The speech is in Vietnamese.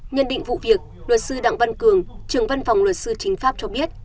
nhân định vụ việc luật sư đặng văn cường trưởng văn phòng luật sư chính pháp cho biết